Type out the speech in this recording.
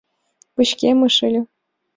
Пычкемыш ыле.